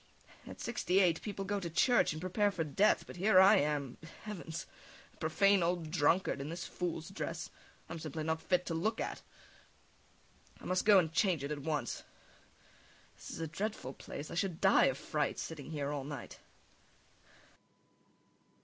At sixty eight people go to church and prepare for death, but here I am heavens! A profane old drunkard in this fool's dress I'm simply not fit to look at. I must go and change it at once.... This is a dreadful place, I should die of fright sitting here all night.